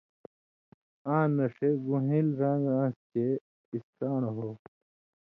آں نہ ݜے گُون٘ہېل ران٘گ آن٘س چے اِسکان٘ڑ ہو